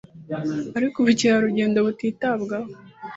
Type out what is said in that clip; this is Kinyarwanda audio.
ariko ubukerarugendo butitabwaho